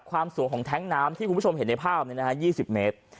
ความสูงของแท้งน้ำที่คุณผู้ชมเห็นในภาพ๒๐เมตร